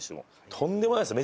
とんでもないですよ。